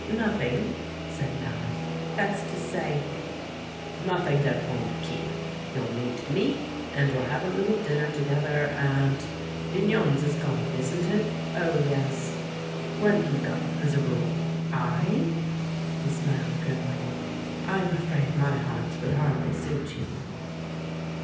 "Nothing," said ]\Iallock. "That's to say " "Nothing that won't keep. You'll meet me, and we'll have a little dinner together at — Big non's is gone, isn't it?" "Oh, yes!" "Where do you go, as a rule?" "I?" He smiled grimly. "I'm afraid my haunts would hardly suit you."